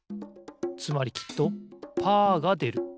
つまりきっとパーがでる。